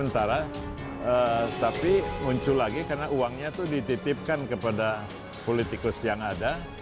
tapi muncul lagi karena uangnya itu dititipkan kepada politikus yang ada